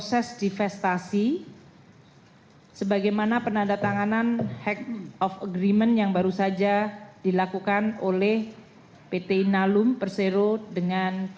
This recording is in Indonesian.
kementerian keuangan telah melakukan upaya upaya